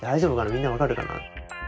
みんな分かるかな。